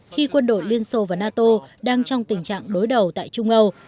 khi quân đội liên xô và nato đang trong tình trạng đối đầu tại trung âu